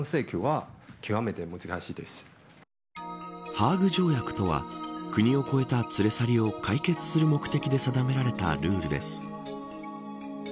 ハーグ条約とは国を越えた連れ去りを解決する目的で定められたルールです。